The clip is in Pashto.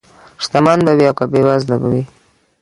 شتمن به وي او که بېوزله به وي.